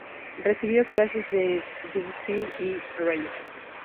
Recibió clases de Debussy y Reger.